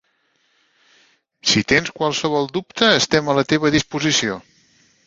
Si tens qualsevol dubte estem a la teva disposició.